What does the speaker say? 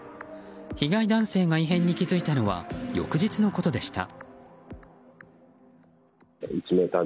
被害男性が異変に気付いたのは翌日のことでした。